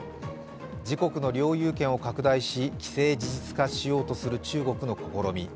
自国の領有権を拡大し、既成事実化しようとする中国の試み。